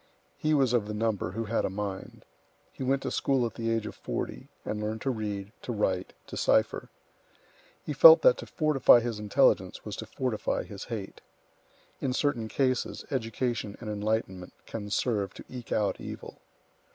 He was of the number who had a mind. He went to school at the age of forty, and learned to read, to write, to cipher. He felt that to fortify his intelligence was to fortify his hate. In certain cases, education and enlightenment can serve to eke out evil.